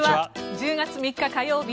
１０月３日火曜日